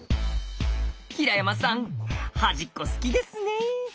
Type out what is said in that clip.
平山さん端っこ好きですねぇ？